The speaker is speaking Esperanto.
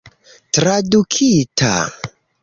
tradukita